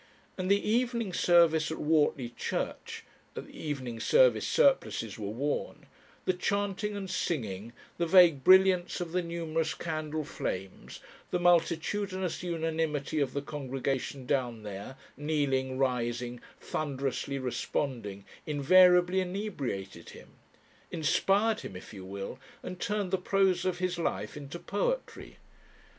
And the evening service at Whortley church at the evening service surplices were worn the chanting and singing, the vague brilliance of the numerous candle flames, the multitudinous unanimity of the congregation down there, kneeling, rising, thunderously responding, invariably inebriated him. Inspired him, if you will, and turned the prose of his life into poetry.